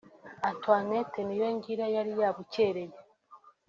Antoinette Niyongira yari yabukereye